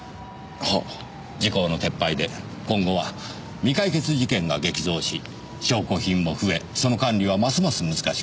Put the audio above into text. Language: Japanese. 時効の撤廃で今後は未解決事件が激増し証拠品も増えその管理はますます難しくなります。